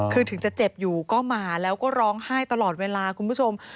คือถึงจะเจ็บอยู่ก็มาแล้วก็ร้องไห้ตลอดเวลาคุณผู้ชม